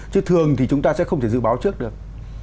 chứ thường thì chúng ta sẽ không thể dự báo trước được